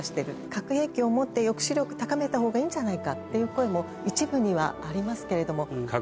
核兵器を持って抑止力高めた方がいいんじゃないかっていう声も一部にはありますけれども。